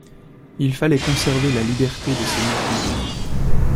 Il fallait conserver la liberté de ses mouvements.